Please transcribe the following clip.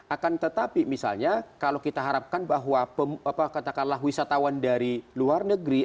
akan tetapi misalnya kalau kita harapkan bahwa katakanlah wisatawan dari luar negeri